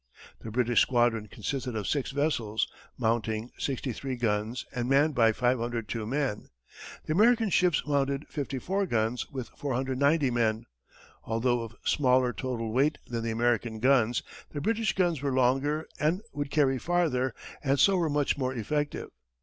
The British squadron consisted of six vessels, mounting 63 guns, and manned by 502 men. The American ships mounted 54 guns, with 490 men. Although of smaller total weight than the American guns, the British guns were longer and would carry farther, and so were much more effective.